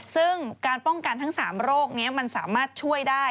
ซึ่งการป้องกันทั้ง๓โรคนี้มันสามารถช่วยได้